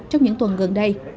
trong những tuần gần đây